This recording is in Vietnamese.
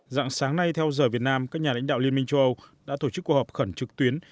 dạng sáng nay theo giờ việt nam các nhà lãnh đạo liên minh châu âu đã tổ chức cuộc họp khẩn trực tuyến